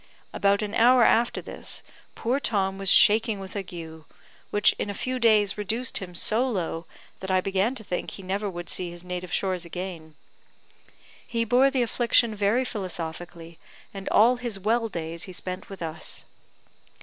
About an hour after this, poor Tom was shaking with ague, which in a few days reduced him so low that I began to think he never would see his native shores again. He bore the affliction very philosophically, and all his well days he spent with us.